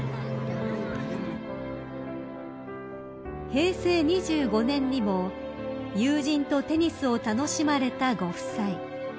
［平成２５年にも友人とテニスを楽しまれたご夫妻］